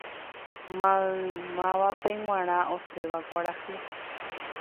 Maymávape g̃uarã osẽva kuarahy